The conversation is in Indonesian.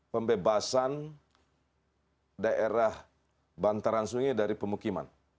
pembebasan daerah bantaran sungai dari pemukiman